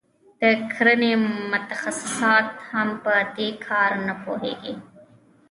د کرنې متخصصان هم په دې کار نه پوهیږي.